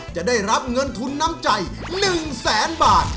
จะได้รับเงินทุนน้ำใจ๑แสนบาท